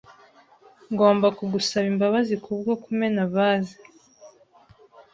Ngomba kugusaba imbabazi kubwo kumena vase.